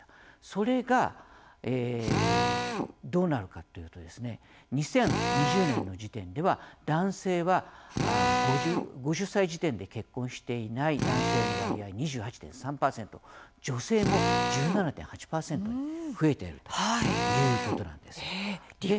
それがどうなるかというと２０２０年の時点では男性は５０歳時点で結婚していない男性の割合２８．３％女性も１７．８％に増えているということなんです。